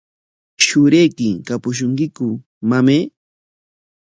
¿Shurayki kapushunkiku, mamay?